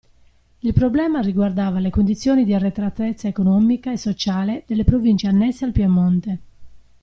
Il problema riguardava le condizioni di arretratezza economica e sociale delle province annesse al Piemonte.